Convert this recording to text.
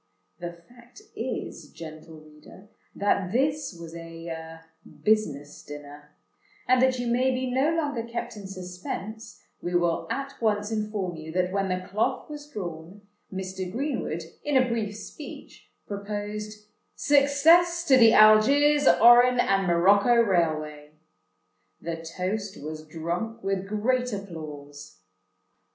The fact is, gentle reader, that this was a "business dinner;" and that you may be no longer kept in suspense, we will at once inform you that when the cloth was drawn, Mr. Greenwood, in a brief speech, proposed "Success to the Algiers, Oran, and Morocco Railway." The toast was drunk with great applause.